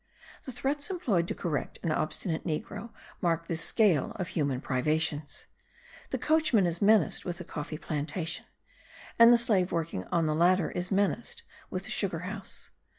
The threats employed to correct an obstinate negro mark this scale of human privations. The coachman is menaced with the coffee plantation; and the slave working on the latter is menaced with the sugar house.